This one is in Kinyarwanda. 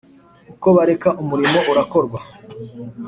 uko bareka umurimo urakorwa